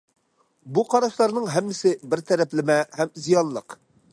بۇ قاراشلارنىڭ ھەممىسى بىر تەرەپلىمە ھەم زىيانلىق.